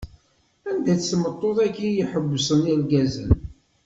Anda-tt tmeṭṭut-agi i iḥewwṣen irgazen?